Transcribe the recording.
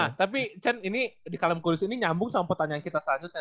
nah tapi cen ini di kalem kudus ini nyambung sama pertanyaan kita selanjutnya